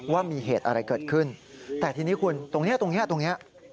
ว่ามีเหตุอะไรเกิดขึ้นแต่ทีนี้คุณตรงนี้